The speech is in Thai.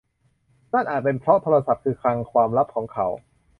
นั่นอาจเป็นเพราะโทรศัพท์คือคลังความลับของเขา